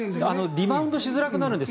リバウンドしづらくなるんです